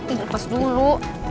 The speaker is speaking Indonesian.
eh lepas dulu